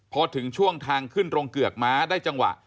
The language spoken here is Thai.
พอถึงช่วงทางขึ้นตรงเกือกม้าได้จังหวะ